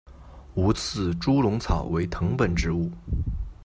无刺猪笼草为藤本植物。